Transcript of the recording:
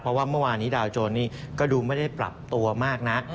เพราะว่าเมื่อวานนี้ดาวโจรนี่ก็ดูไม่ได้ปรับตัวมากนัก